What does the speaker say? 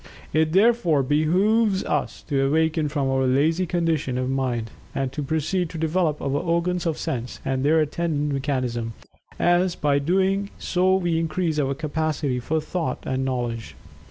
It therefore behooves us to awaken from our "lazy" condition of mind, and to proceed to develop our organs of sense, and their attendant mechanism, as by doing so we increase our capacity for thought and knowledge.